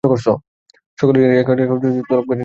সকলেই জানেন, ওর কাগজপত্র বাবু নিজে তলব করে নিয়ে গেছেন।